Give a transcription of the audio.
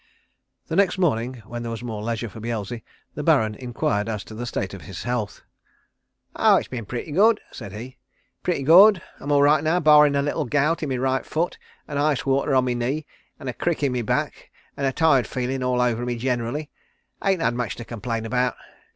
The next morning when there was more leisure for Beelzy the Baron inquired as to the state of his health. "Oh it's been pretty good," said he. "Pretty good. I'm all right now, barrin' a little gout in my right foot, and ice water on my knee, an' a crick in my back, an' a tired feelin' all over me generally. Ain't had much to complain about.